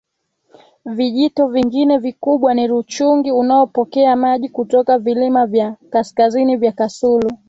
Vijito vingine vikubwa ni Ruchungi unaopokea maji kutoka vilima vya kaskazini vya Kasulu